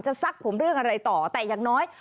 ซักผมเรื่องอะไรต่อแต่อย่างน้อย